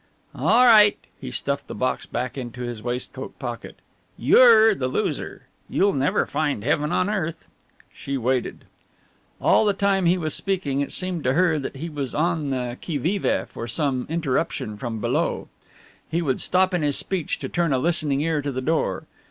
"All right" he stuffed the box back into his waistcoat pocket "you're the loser, you'll never find heaven on earth!" She waited. All the time he was speaking, it seemed to her that he was on the qui vive for some interruption from below. He would stop in his speech to turn a listening ear to the door.